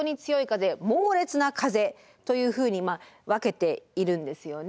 「猛烈な風」というふうに分けているんですよね。